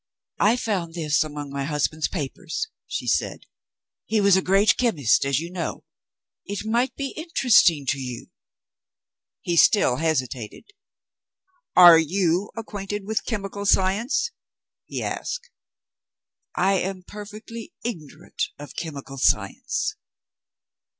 "I found it among my husband's papers," she said. "He was a great chemist, as you know. It might be interesting to you." He still hesitated. "Are you acquainted with chemical science?" he asked. "I am perfectly ignorant of chemical science."